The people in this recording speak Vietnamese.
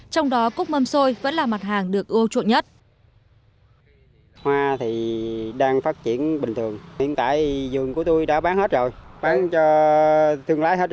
trong đó cúc mâm xôi vẫn là mặt hàng được ưa chuộng nhất